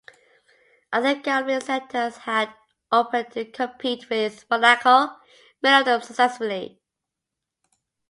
Other gambling centers had opened to compete with Monaco, many of them successfully.